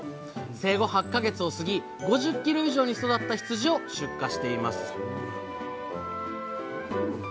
生後８か月を過ぎ５０キロ以上に育った羊を出荷しています